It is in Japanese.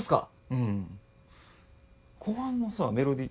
うん後半のさメロディー